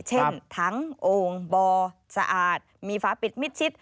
เช่นทั้งโอ่งบอสะอาดมีฝาปิดมิดชิด